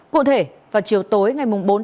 cụ thể vào chiều tối tân sơn đã đặt tên là tân sơn